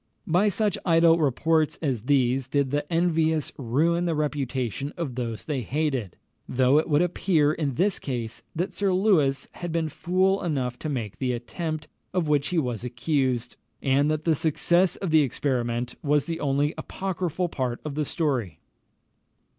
By such idle reports as these did the envious ruin the reputation of those they hated; though it would appear in this case that Sir Lewis had been fool enough to make the attempt of which he was accused, and that the success of the experiment was the only apocryphal part of the story.